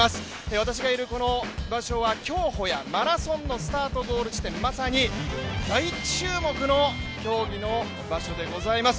私がいる場所は競歩やマラソンのスタート・ゴール地点まさに大注目の競技の場所でございます。